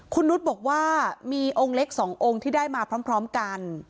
คุณนุษย์บอกว่ามีองค์เล็กสององค์ที่ได้มาพร้อมกัน